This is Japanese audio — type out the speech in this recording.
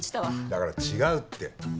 だから違うって。